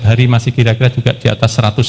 hari masih kira kira juga di atas seratus